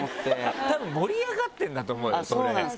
たぶん盛り上がってるんだと思うよそれ。